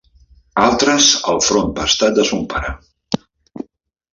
Altres, el front pastat de son pare